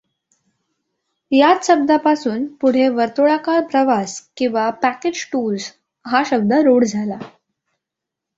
याच शब्दापासून पुढे वर्तुळाकार प्रवास किंवा पॅकेज टूर्स हा शब्द रुढ झाला.